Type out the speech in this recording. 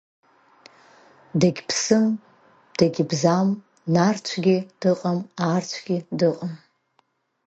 Дагьыԥсым, дагьыбзам нарцәгьы дыҟам, аарцәгьы дыҟам…